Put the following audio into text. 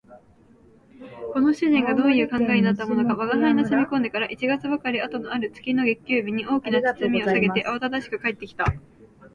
この主人がどういう考えになったものか吾輩の住み込んでから一月ばかり後のある月の月給日に、大きな包みを提げてあわただしく帰って来た